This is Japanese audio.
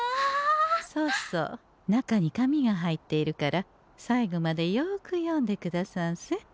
そうそう中に紙が入っているから最後までよく読んでくださんせ。